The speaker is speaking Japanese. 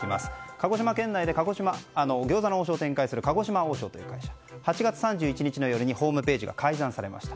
鹿児島県内で餃子の王将を展開する鹿児島王将というお店が８月３１日の夜にホームページが改ざんされました。